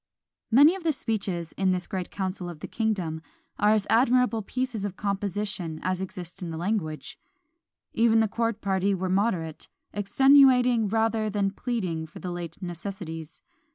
Many of the speeches in "this great council of the kingdom" are as admirable pieces of composition as exist in the language. Even the court party were moderate, extenuating rather than pleading for the late necessities.